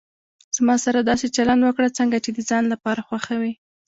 زما سره داسي چلند وکړه، څنګه چي د ځان لپاره خوښوي.